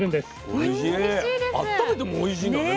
あっためてもおいしいんだね